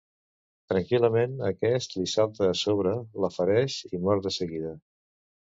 Tranquil·lament, aquest li salta a sobre, la fereix i mor de seguida.